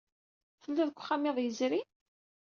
Tellid deg wexxam iḍ yezrin?